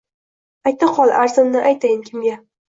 Aytaqol, arzimni aytayin kimga?!